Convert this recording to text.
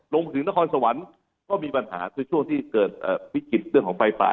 ลงถึงนครสวรรค์ก็มีปัญหาคือช่วงที่เกิดวิกฤตเรื่องของไฟป่า